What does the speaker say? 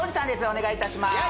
お願いいたしまーす